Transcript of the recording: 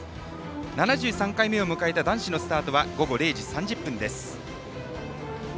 ７３回目を迎えた男子のスタートは午後０時３０分です。